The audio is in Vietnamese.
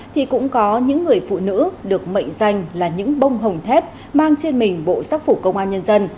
thì cũng có những người phụ nữ được mệnh danh là những bông hồng thép mang trên mình bộ sắc phục công an nhân dân